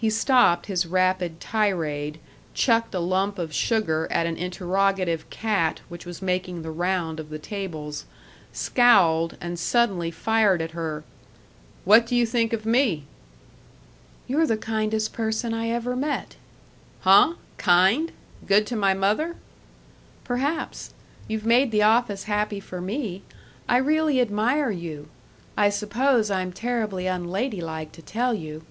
He stopped his rapid tirade, chucked a lump of sugar at an interrogative cat which was making the round of the tables, scowled, and suddenly fired at her: "What do you think of me?" "You're the kindest person I ever met." "Huh? Kind? Good to my mother?" "Perhaps. You've made the office happy for me. I really admire you.... I s'pose I'm terribly unladylike to tell you."